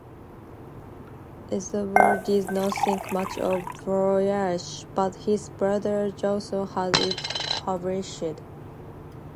Xavier did not think much of "Voyage", but his brother Joseph had it published.